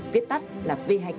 viết tắt là v hai k